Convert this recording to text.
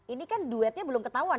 ini kan duetnya belum ketahuan